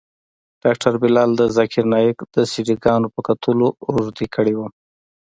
ډاکتر بلال د ذاکر نايک د سي ډي ګانو په کتلو روږدى کړى وم.